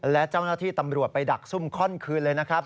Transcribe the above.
และเจ้าหน้าที่ตำรวจไปดักซุ่มค่อนคืนเลยนะครับ